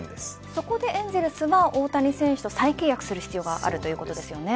そこでエンゼルスは大谷選手と再契約する必要があるということですね。